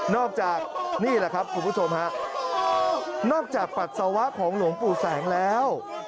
จากนี่แหละครับคุณผู้ชมฮะนอกจากปัสสาวะของหลวงปู่แสงแล้ว